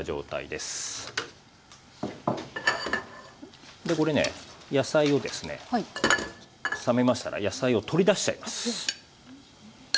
でこれね野菜をですね冷めましたら野菜を取り出しちゃいます。